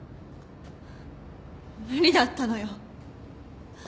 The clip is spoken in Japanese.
無理だったのよ。